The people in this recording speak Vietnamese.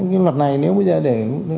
nhưng luật này nếu bây giờ để